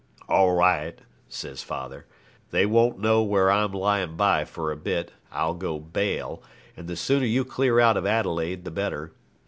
'All right,' says father, 'they won't know where I'm lyin' by for a bit, I'll go bail, and the sooner you clear out of Adelaide the better.